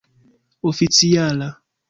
oficiala